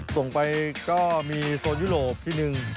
ส่งไปก็มีโซนยุโรปที่หนึ่ง